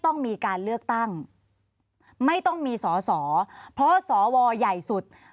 ต้องมีการเลือกตั้งไม่ต้องมีสอสอเพราะสวใหญ่สุด